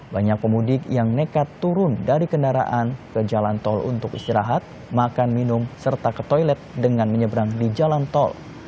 banyak pemudik yang nekat turun dari kendaraan ke jalan tol untuk istirahat makan minum serta ke toilet dengan menyeberang di jalan tol